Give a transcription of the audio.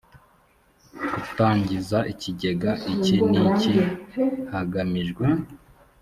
gutangiza ikigega iki n iki hagamijwe